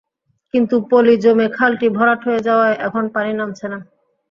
কিন্তু পলি জমে খালটি ভরাট হয়ে যাওয়ায় এখন পানি নামছে না।